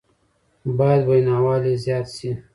بايد ويناوال يې زياد شي